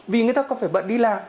vì người ta có phải bận đi làm